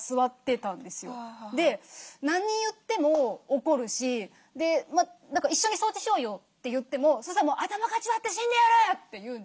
で何言っても怒るし「一緒に掃除しようよ」って言ってもそしたらもう「頭かち割って死んでやる！」って言うんですよ。